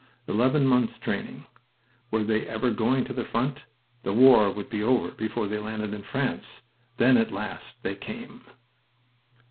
Eleven months' training! Were they ever going to the front? The war would be over before they landed in France... Then, at last, they came.